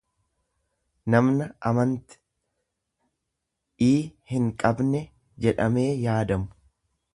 namna amant ii hinqabne jedhamee yaadamu.